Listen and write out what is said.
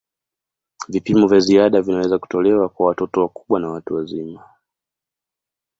Vipimo vya ziada vinaweza kutolewa kwa watoto wakubwa na watu wazima.